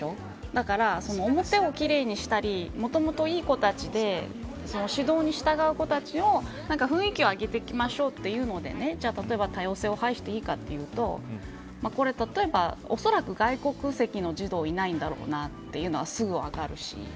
だから、表を奇麗にしたりもともといい子たちで指導に従う子たちを雰囲気を上げていきましょうというので例えば多様性を廃していいかというとこれ例えば、おそらく外国籍の児童いないんだろうなというのはすぐ分かるし。